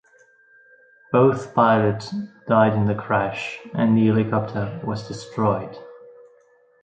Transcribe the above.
Both pilots died in the crash and the helicopter was destroyed.